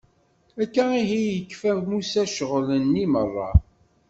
Akka ihi i yekfa Musa ccɣel-nni meṛṛa.